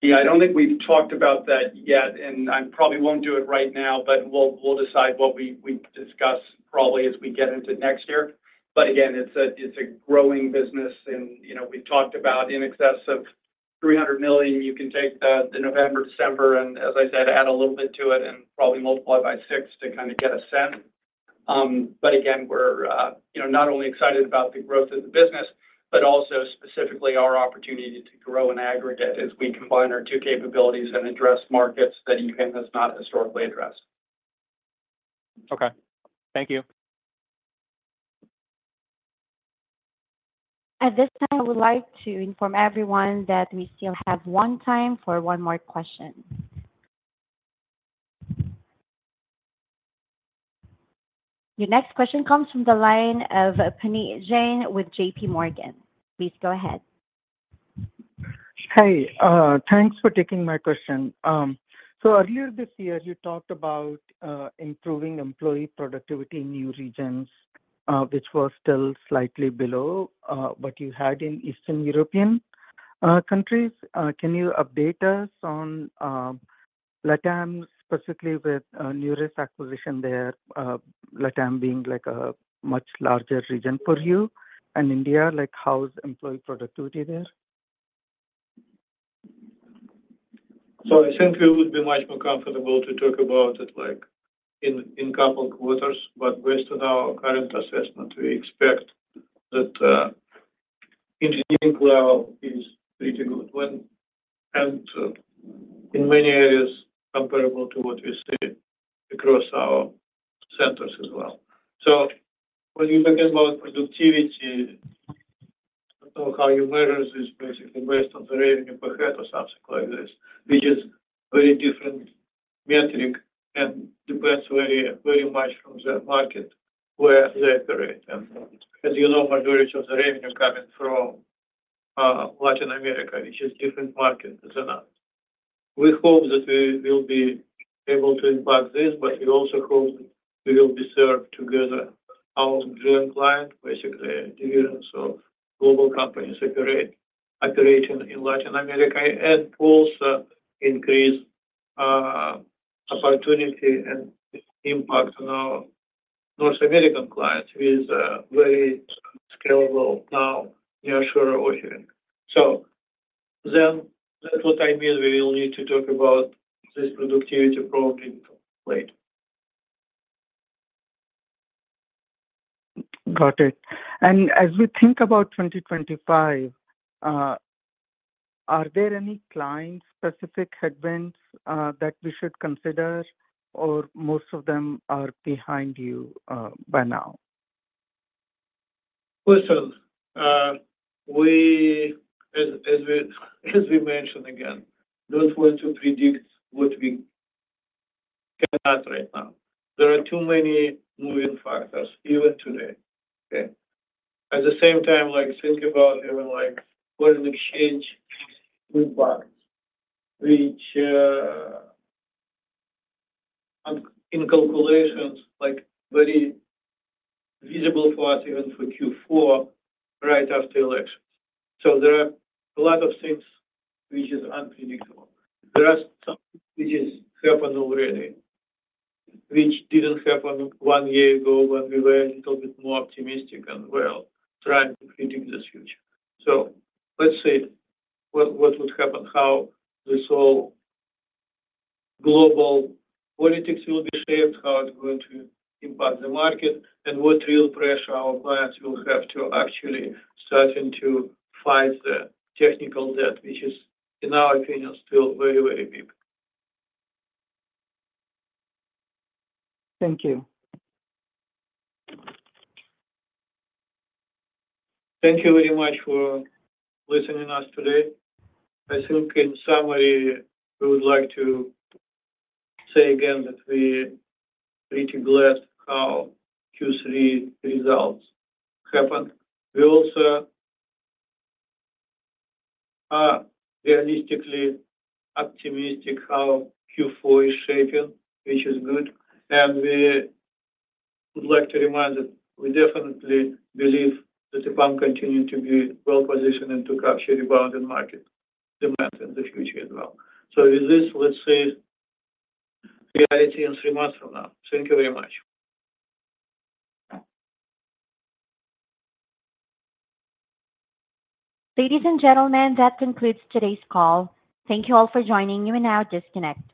Speaker 3: Yeah. I don't think we've talked about that yet. And I probably won't do it right now, but we'll decide what we discuss probably as we get into next year. But again, it's a growing business. And we've talked about in excess of $300 million. You can take the November, December, and as I said, add a little bit to it and probably multiply by six to kind of get a sense. But again, we're not only excited about the growth of the business, but also specifically our opportunity to grow in aggregate as we combine our two capabilities and address markets that EPAM has not historically addressed.
Speaker 4: Okay. Thank you. At this time, I would like to inform everyone that we still have one time for one more question. Your next question comes from the line of Puneet Jain with J.P. Morgan. Please go ahead.
Speaker 13: Hi. Thanks for taking my question. So earlier this year, you talked about improving employee productivity in new regions, which were still slightly below what you had in Eastern European countries. Can you update us on LATAM, specifically with NEORIS acquisition there, LATAM being a much larger region for you and India? How's employee productivity there?
Speaker 2: So I think we would be much more comfortable to talk about it in a couple of quarters. But based on our current assessment, we expect that engineering level is pretty good. And in many areas, comparable to what we see across our centers as well. So when you're talking about productivity, how you measure this is basically based on the revenue per head or something like this, which is a very different metric and depends very much from the market where they operate. And as you know, majority of the revenue coming from Latin America, which is a different market than us. We hope that we will be able to impact this, but we also hope that we will be served together our joint client, basically divisions of global companies operating in Latin America, and also increase opportunity and impact on our North American clients with a very scalable now nearshore offering. So then that's what I mean. We will need to talk about this productivity probably later.
Speaker 13: Got it. And as we think about 2025, are there any client-specific headwinds that we should consider, or most of them are behind you by now?
Speaker 2: Well, so as we mentioned again, don't want to predict what we cannot right now. There are too many moving factors even today. At the same time, think about even what an exchange fees impact, which in calculations is very visible for us even for Q4 right after elections. So there are a lot of things which are unpredictable. There are some things which have happened already, which didn't happen one year ago when we were a little bit more optimistic and well trying to predict this future. So let's see what would happen, how this whole global politics will be shaped, how it's going to impact the market, and what real pressure our clients will have to actually start to fight the technical debt, which is, in our opinion, still very, very big.
Speaker 13: Thank you.
Speaker 2: Thank you very much for listening to us today. I think in summary, we would like to say again that we are pretty glad how Q3 results happened. We also are realistically optimistic how Q4 is shaping, which is good. And we would like to remind that we definitely believe that EPAM continues to be well positioned to capture rebound in market demand in the future as well. So with this, let's see reality in three months from now. Thank you very much.
Speaker 4: Ladies and gentlemen, that concludes today's call. Thank you all for joining. You may now disconnect.